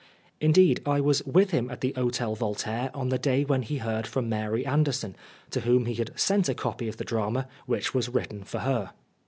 Indeed, I was with him at the Hotel Vol taire on the day when he heard from Mary Anderson, to whom he had sent a copy of the drama which was written for her.